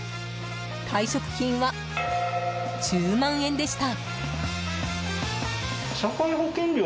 退職金は１０万円でした。